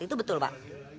itu betul pak